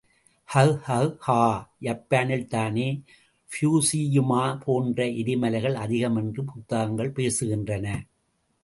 ஹ... ஹ்.... ஹா! ஜப்பானில்தானே ப்யூஜியாமா போன்ற எரிமலைகள் அதிகம் என்று புத்தகங்கள் பேசுகின்றன?